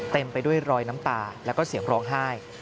เต็มไปด้วยรอยน้ำตาแล้วก็เสียงร้องไห้